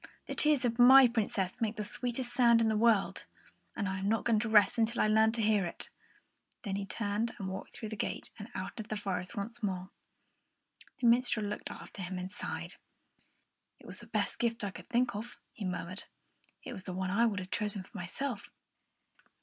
"The tears of my Princess make the sweetest sound in the world, and I am not going to rest until I learn how to hear it." Then he turned and walked through the gate and out into the forest once more. The minstrel looked after him and sighed. "It was the best gift I could think of," he murmured; "it was the one I would have chosen for myself.